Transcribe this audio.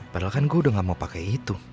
padahal kan gua udah gak mau pake itu